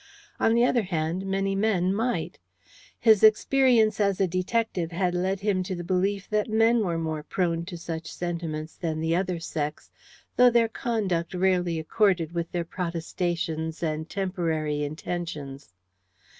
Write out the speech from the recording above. On the other hand, many men might. His experience as a detective had led him to the belief that men were more prone to such sentiments than the other sex, though their conduct rarely accorded with their protestations and temporary intentions.